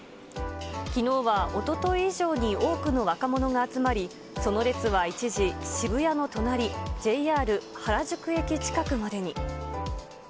きのうはおととい以上に多くの若者が集まり、その列は一時、渋谷の隣、ＪＲ原宿駅近くまでに。